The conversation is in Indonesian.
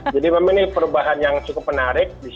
jadi memang ini perubahan yang cukup menarik